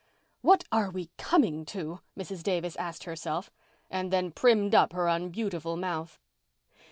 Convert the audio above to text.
"What are we coming to?" Mrs. Davis asked herself, and then primmed up her unbeautiful mouth.